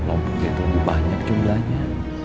kelompok yang tunggu banyak jumlahnya